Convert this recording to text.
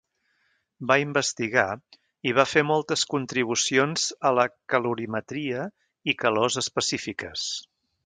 Va investigar i va fer moltes contribucions a la calorimetria i calors específiques.